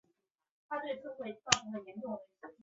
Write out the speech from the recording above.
陕西绥德人。